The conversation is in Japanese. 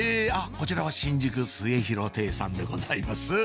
こちらは新宿末廣亭さんでございます